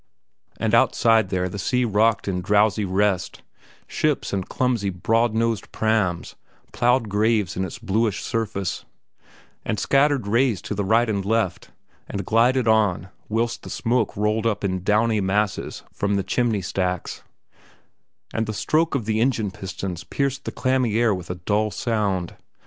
And outside there the sea rocked in drowsy rest; ships and clumsy, broad nosed prams ploughed graves in its bluish surface, and scattered rays to the right and left, and glided on, whilst the smoke rolled up in downy masses from the chimney stacks, and the stroke of the engine pistons pierced the clammy air with a dull sound.